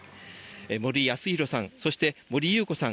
森保啓さん、そして森優子さん